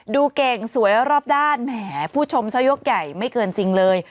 ดูเก่งสวยรอบด้านแหมผู้ชมซะยกใหญ่ไม่เกินจริงเลย